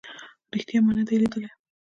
ریښتیا ما نه دی لیدلی